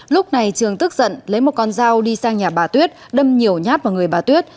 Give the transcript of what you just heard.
lúc này trường tức giận lấy một con dao đi sang nhà bà tuyết đâm nhiều nhát vào người bà tuyết